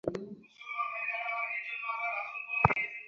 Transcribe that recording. সোনা কুকুর, ময়না কুকুর।